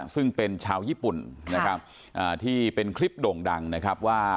ซึ่งเป็นชาวญี่ปุ่นนะครับที่เป็นคลิปโด่งดังนะครับว่า